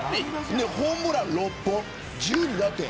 ホームラン６本、１２打点。